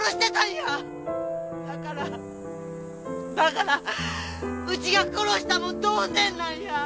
だからだからうちが殺したも同然なんや。